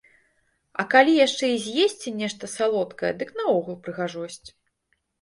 А калі яшчэ і з'есці нешта салодкае, дык наогул прыгажосць.